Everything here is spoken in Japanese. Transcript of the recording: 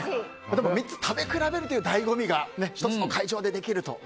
３つ食べ比べるという醍醐味が１つの会場でできるという。